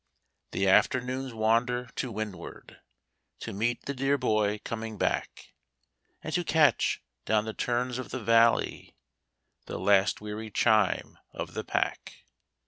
The afternoon's wander to windward, To meet the dear boy coming back; And to catch, down the turns of the valley, The last weary chime of the pack.